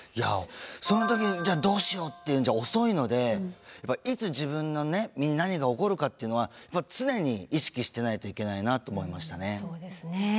その時に「じゃあどうしよう！」っていうんじゃ遅いのでいつ自分の身に何が起こるかっていうのは常に意識してないといけないなと思いましたね。